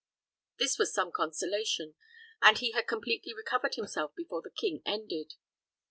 This was some consolation, and he had completely recovered himself before the king ended.